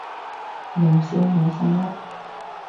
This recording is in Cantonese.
又笑我細粒